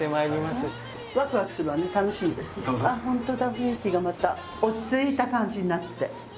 雰囲気がまた落ち着いた感じになって。